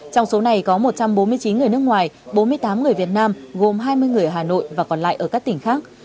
trong số này có một trăm bốn mươi chín người nước ngoài bốn mươi tám người việt nam gồm hai mươi người hà nội và còn lại ở các tỉnh khác